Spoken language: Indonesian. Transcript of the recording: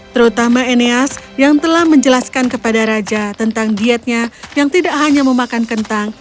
terutama eneas yang telah menjelaskan kepada raja tentang dietnya yang tidak hanya memakan kentang